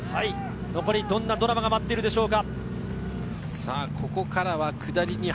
残りどんなドラマが待っているでしょうか。